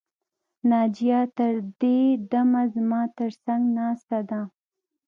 ناجیه تر دې دمه زما تر څنګ ناسته ده